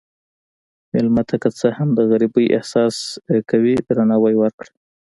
مېلمه ته که څه هم د غریبۍ احساس کوي، درناوی ورکړه.